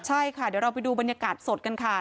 ใช่ค่ะเดี๋ยวเราไปดูบรรยากาศสดกันค่ะ